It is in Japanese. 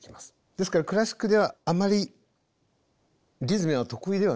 ですからクラシックではあまりリズムは得意ではなかった。